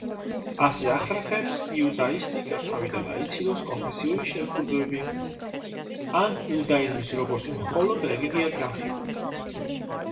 ასე ახერხებს იუდაისტიკა თავიდან აიცილოს კონფესიური შეზღუდვები, ან იუდაიზმის როგორც მხოლოდ რელიგიად განხილვა.